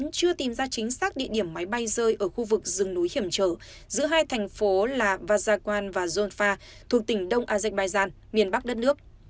nhiều người ở iran vẫn chưa tìm ra chính xác địa điểm máy bay rơi ở khu vực rừng núi hiểm trở giữa hai thành phố là vajagwan và zulfa thuộc tỉnh đông azerbaijan miền bắc đất nước